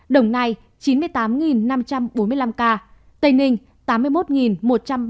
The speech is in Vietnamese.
đồng ngay chín mươi tám năm trăm bốn mươi năm ca tây ninh tám mươi một một trăm ba mươi năm ca hà nội sáu mươi hai một trăm bảy mươi bốn ca